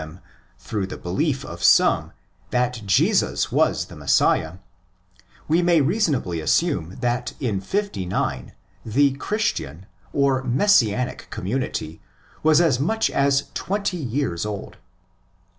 them through the belief of some that Jesus was the Messiah, we may reasonably assume that in 59 the Christian (or Messianic) community was as much as twenty years old.